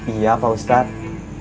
iya pak ustadz